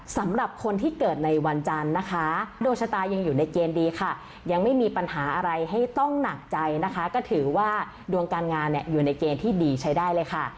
สำหรับคนที่เกิดในวันจันทร์นะคะดวงชะตายังอยู่ในเกณฑ์ดีค่ะยังไม่มีปัญหาอะไรให้ต้องหนักใจนะคะก็ถือว่าดวงการงานเนี่ยอยู่ในเกณฑ์ที่ดีใช้ได้เลยค่ะ